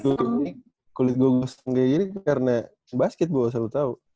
gue justru apa kulit gue gosong kayak gini karena basket gue selalu tau